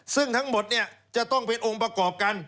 ซึ่งทั้งหมดเนี่ยจะต้องเป็นองค์ประกอบกัน